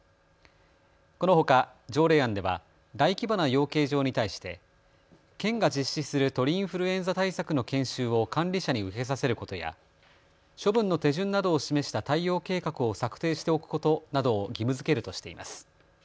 このほか条例案では大規模な養鶏場に対して県が実施する鳥インフルエンザ対策の研修を管理者に受けさせることや処分の手順などを示した対応計画を策定しておくことなどを義務づけるとしています。